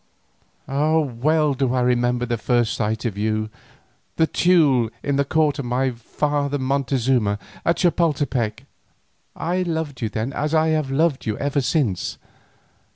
Ah! well do I remember my first sight of you, the Teule, in the court of my father Montezuma, at Chapoltepec. I loved you then as I have loved you ever since.